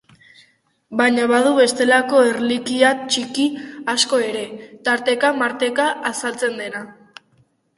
Baina badu bestelako erlikia ttiki asko ere, tarteka-marteka azaltzen dena.